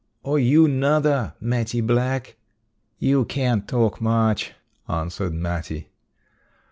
"Or you nuther, Mattie Black." "You can't talk much," answered Mattie.